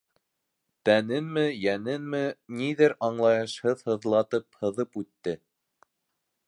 Тәненме, йәненме ниҙер аңлайышһыҙ һыҙлатып һыҙып үтте.